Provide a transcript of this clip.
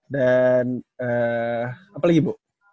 dan ee apalagi bu